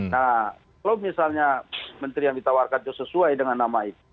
nah kalau misalnya menteri yang ditawarkan itu sesuai dengan nama itu